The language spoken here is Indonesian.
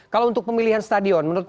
kalau untuk pemilihan stadion